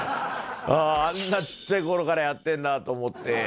あんなちっちゃいころからやってんだと思って。